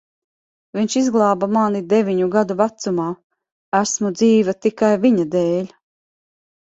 Viņš izglāba mani deviņu gadu vecumā. Esmu dzīva tikai viņa dēļ.